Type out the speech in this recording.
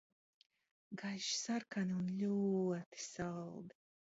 Gaiši sarkani un ļoti saldi.